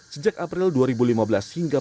sejak april dua ribu lima belas hingga